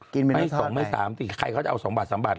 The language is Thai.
กินเมนูทอดไงไม่๒ไม่๓สิใครเขาจะเอา๒บาท๓บาทล่ะ